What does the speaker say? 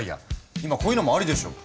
今こういうのもありでしょ。